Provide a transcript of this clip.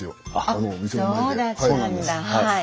あっそうだったんだはい。